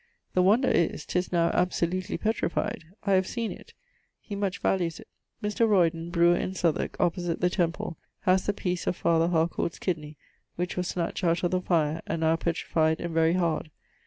The wonder is, 'tis now absolutely petrified: I have seen it. He much values it. Mr. Roydon, brewer in Southwarke (opposite the Temple), haz the piece of Father Harcourt's kidney which was snatcht out of the fire, and now petrified and very hard.